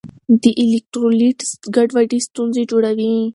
د الیکټرولیټ ګډوډي ستونزې جوړوي.